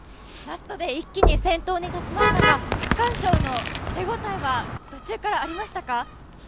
ラストで一気に先頭に立ちましたが、区間賞の手応えは途中からありましたか？